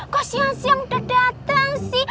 kau siang siang udah datang sih